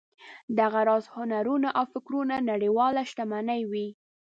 دغه راز هنرونه او فکرونه نړیواله شتمني وي.